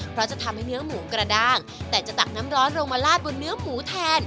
เพราะจะทำให้เนื้อหมูกระด้างแต่จะตักน้ำร้อนลงมาลาดบนเนื้อหมูแทน